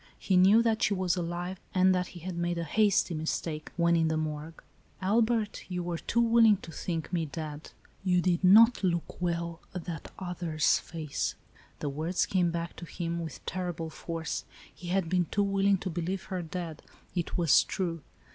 He knew that she was alive, and that he had made a hasty mistake, when in the morgue. " Albert, you were too willing to think me dead. ALICE ; OR, THE WAGES OF SIN. 91 You did not look well at that other's face." The words came back to him, with terrible force. He had been too willing to believe her dead. It was true.